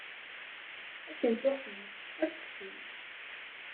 Akken tuɣ tmes ad texsi.